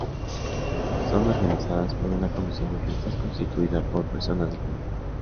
Son organizadas por una comisión de fiestas constituida por personas del pueblo.